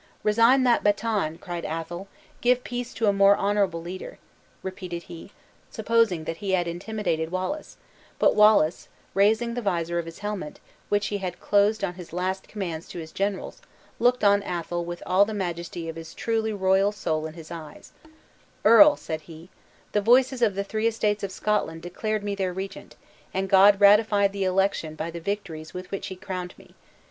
"Resign that baton!" cried Athol; "give peace to a more honorable leader!" repeated he, supposed that he had intimidated Wallace; but Wallace, raising the visor of his helmet, which he had closed on his last commands to his generals, looked on Athol with all the majesty of his truly royal soul in his eyes: "Earl," said he, "the voices of the three estates of Scotland declared me their regent, and God ratified the election by the victories with which he crowned me.